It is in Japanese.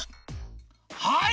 はい！